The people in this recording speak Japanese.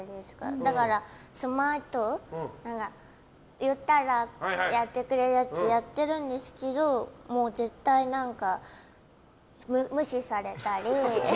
だからスマート言ったらやってくれるやつをやってるんですけど無視されたり。